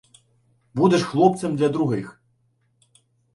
Будеш хлопцем для других.